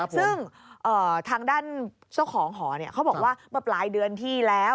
ซึ่งทางด้านเจ้าของหอเขาบอกว่าเมื่อปลายเดือนที่แล้ว